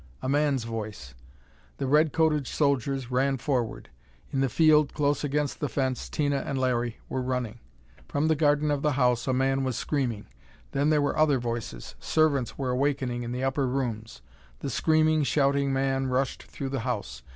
A man's voice. The red coated soldiers ran forward. In the field, close against the fence, Tina and Larry were running. From the garden of the house a man was screaming. Then there were other voices; servants were awakening in the upper rooms. The screaming, shouting man rushed through the house.